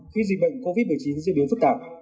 khi dịch bệnh covid một mươi chín diễn biến phức tạp